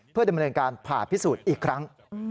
เพื่อได้บริเวณการผ่าพิสูจน์อีกครั้ง